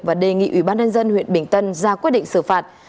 và đề nghị ủy ban nhân dân huyện bình tân ra quyết định xử phạt